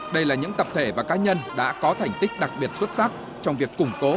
đây là những tập thể và cá nhân đã có thành tích đặc biệt xuất sắc trong việc củng cố